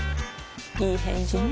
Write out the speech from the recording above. いい返事ね